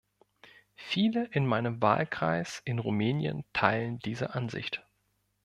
Viele in meinem Wahlkreis in Rumänien teilen diese Ansicht.